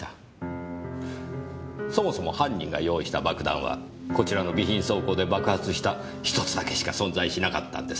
そもそも犯人が用意した爆弾はこちらの備品倉庫で爆発した１つだけしか存在しなかったんです。